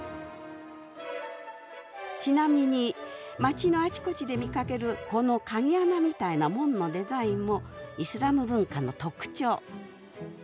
ちなみに街のあちこちで見かけるこの鍵穴みたいな門のデザインもイスラム文化の特徴。